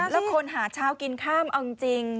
แล้วคนหาเช้ากินข้ามเอาจริง